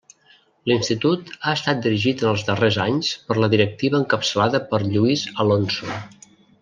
L’institut ha estat dirigit en els darrers anys per la directiva encapçalada per Lluís Alonso.